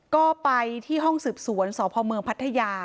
ก็ไปที่ห้องสืบสวนสพพัทยา